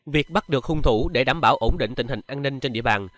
việc bắt được hung thủ để đảm bảo ổn định tình hình an ninh trên địa bàn